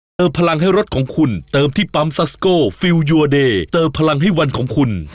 เติมพลังให้รถของคุณเติมที่ปั๊มซัสโกฟิลยูอเดย์เติมพลังให้วันของคุณ